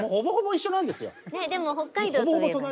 でも北海道といえばね